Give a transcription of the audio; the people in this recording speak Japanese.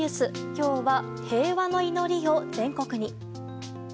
今日は平和の祈りを全国に。